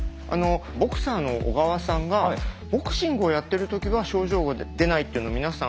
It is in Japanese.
ボクサーの小川さんがボクシングをやってる時は症状が出ないっていうの皆さん